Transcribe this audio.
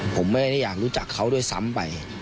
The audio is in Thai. ผมไม่ได้อยากรู้จักเขาด้วยซ้ำไป